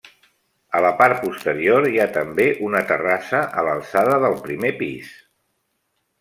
A la part posterior hi ha també una terrassa a l'alçada del primer pis.